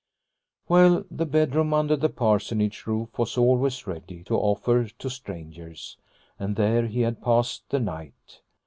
Well, the bedroom under the Parsonage roof was always ready to offer to strangers, and there he had passed the night.